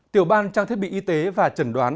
tiểu ban trang thiết bị y tế và trần đoán